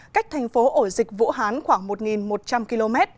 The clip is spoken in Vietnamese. cách thành phố ổ dịch vũ hán khoảng một một trăm linh km